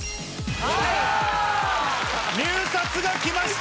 入札が来ました。